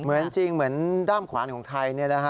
เหมือนจริงเหมือนด้ำขวานของไทยนะครับ